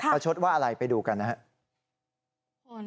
ประชดว่าอะไรไปดูกันนะฮะ